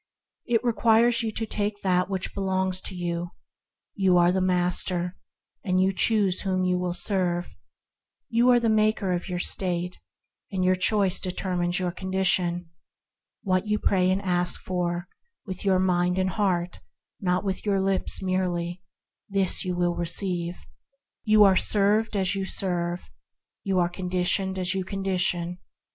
It only requires you to take what belongs to you. You are the master, and you choose whom you will serve. You are the maker of your state, and your choice determines your condition. What you pray and ask for — with your mind and heart, not with your lips merely, this you 162 THE HEAVENLY LIFE receive. You are served as you serve. You are conditioned as you condition.